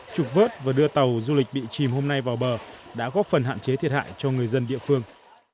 trục vớt và đưa tàu du lịch bị chìm hôm nay vào bờ đã góp phần hạn chế thiệt hại cho người dân địa phương